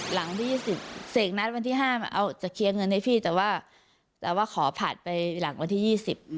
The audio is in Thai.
หลังวันที่๒๐เศกนัดวันที่๕จะเคลียร์เงินให้พี่แต่ว่าขอผ่านไปหลังวันที่๒๐